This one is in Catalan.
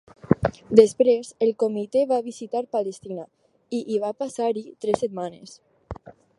Després. el Comitè va visitar Palestina i hi va passar-hi tres setmanes.